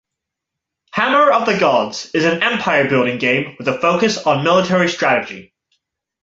"Hammer of the Gods" is an empire-building game with a focus on military strategy.